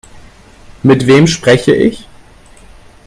Mit wem spreche ich?